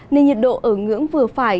nên nhiệt độ ở ngưỡng vừa phải